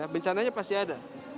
bencananya pasti ada